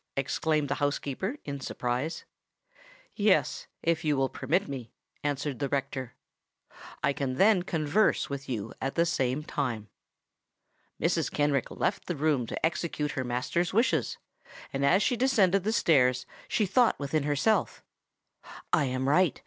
exclaimed the housekeeper, in surprise. "Yes—if you will permit me," answered the rector: "I can then converse with you at the same time." Mrs. Kenrick left the room to execute her master's wishes; and, as she descended the stairs, she thought within herself, "I am right!